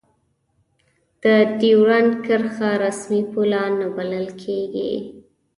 د دیورند کرښه رسمي پوله نه بلله کېږي.